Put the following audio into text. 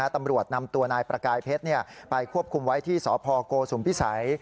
ตำรวจนำตัวนายประกายเพชรไปควบคุมไว้ที่สพโกสุมพิสัย